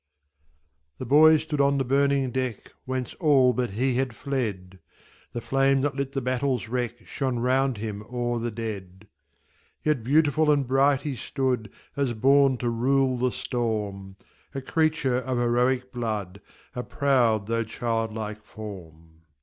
The boy stood on the burning deck, Whence all but him had fled; The flame that lit the battle's wreck Shone round him o'er the dead. Yet beautiful and bright he stood, As born to rule the storm; A creature of heroic blood, A proud though childlike form.